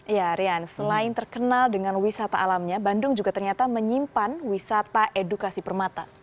ya rian selain terkenal dengan wisata alamnya bandung juga ternyata menyimpan wisata edukasi permata